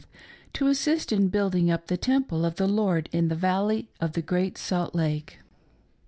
to assist in building up the Temple of the Lord in the Valley of the Great Salt Lake."